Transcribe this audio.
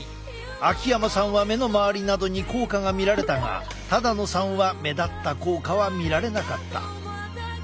秋山さんは目の周りなどに効果が見られたが野さんは目立った効果は見られなかった。